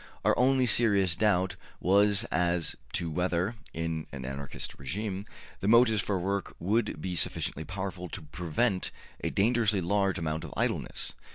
Our only serious doubt was as to whether, in an Anarchist regime, the motives for work would be sufficiently powerful to prevent a dan gerously large amount of idleness.